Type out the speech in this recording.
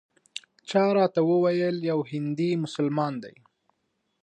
چا راته وویل یو هندي مسلمان دی.